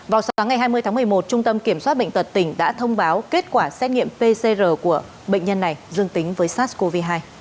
vào sáng ngày hai mươi tháng một mươi một trung tâm kiểm soát bệnh tật tỉnh đã thông báo kết quả xét nghiệm pcr của bệnh nhân này dương tính với sars cov hai